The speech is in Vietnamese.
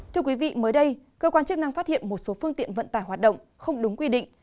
thưa quý vị mới đây cơ quan chức năng phát hiện một số phương tiện vận tải hoạt động không đúng quy định